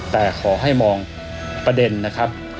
แต่ขอให้มองประเด็นนะครับ